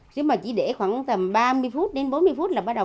chứ mà chỉ để khoảng tầm ba mươi phút đến bốn mươi phút là bắt đầu